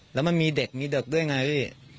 แล้วมันมีเด็กมีเด็กด้วยไงพี่